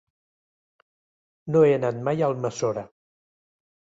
No he anat mai a Almassora.